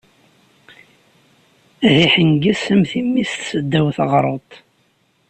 D iḥenges am timmist seddaw teɣṛuḍt.